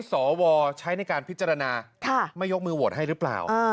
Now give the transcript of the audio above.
สวใช้ในการพิจารณาไม่ยกมือโหวตให้หรือเปล่า